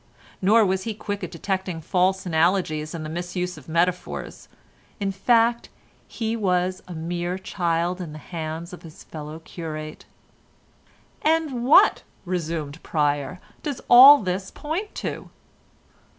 Nor was he quick at detecting false analogies and the misuse of metaphors; in fact he was a mere child in the hands of his fellow curate. "And what," resumed Pryer, "does all this point to?